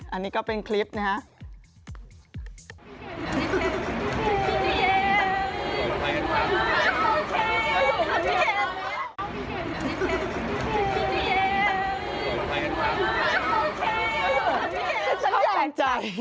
อันนี้ก็เป็นคลิปนะครับ